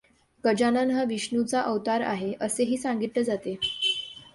गजानन हा विष्णूचा अवतार आहे, असेही सांगितले जाते.